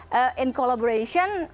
tapi kalau arsy itu bisa di cover sama rewook